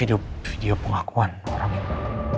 itu video pengakuan orang itu